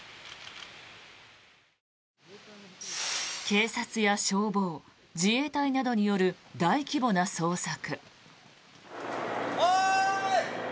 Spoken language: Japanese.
警察や消防、自衛隊などによる大規模な捜索。